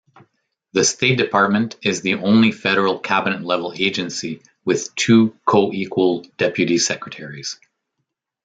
The State Department is the only federal Cabinet-level agency with two co-equal Deputy Secretaries.